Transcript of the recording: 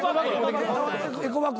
エコバッグ。